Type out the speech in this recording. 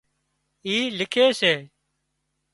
اِي لِکي سي